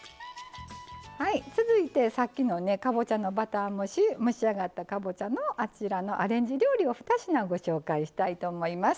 はい続いてさっきのねかぼちゃのバター蒸し蒸し上がったかぼちゃのあちらのアレンジ料理を２品ご紹介したいと思います。